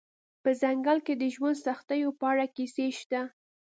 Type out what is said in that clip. په ځنګل کې د ژوند سختیو په اړه کیسې شته